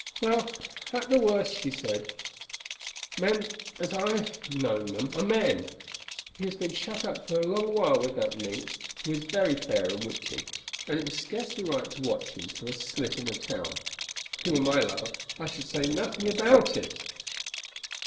"Well, at the worst," she said, "men, as I have known them, are men. He has been shut up for a long while with that minx, who is very fair and witching, and it was scarcely right to watch him through a slit in a tower. If he were my lover, I should say nothing about it."